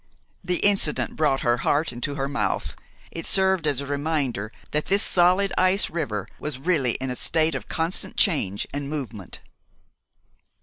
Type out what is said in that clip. The incident brought her heart into her mouth. It served as a reminder that this solid ice river was really in a state of constant change and movement.